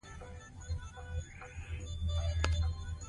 د نورو په حقونو تېری مه کوئ.